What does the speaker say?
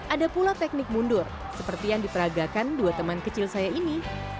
ada pula teknik mundur seperti yang diperagakan dua teman kecil saya ini